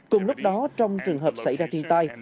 cùng lúc đó trong trường hợp xảy ra thiên tai